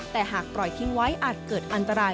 แต่หากปล่อยทิ้งไว้อาจเกิดอันตราย